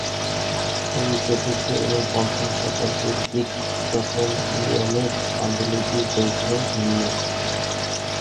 এই চতুর্থ এবং পঞ্চম শতাব্দীর গ্রীক পুরাতন নিয়মের পাণ্ডুলিপির দৈর্ঘ্য ভিন্ন।